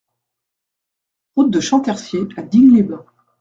Route de Champtercier à Digne-les-Bains